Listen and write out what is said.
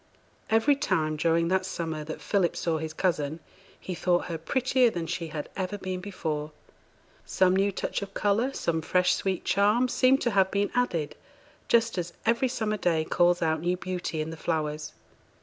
Every time during that summer that Philip saw his cousin, he thought her prettier than she had ever been before; some new touch of colour, some fresh sweet charm, seemed to have been added, just as every summer day calls out new beauty in the flowers.